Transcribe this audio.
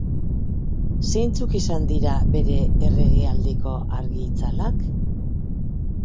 Zeintzuk izan dira bere erregealdiko argi-itzalak?